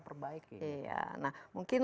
perbaiki iya nah mungkin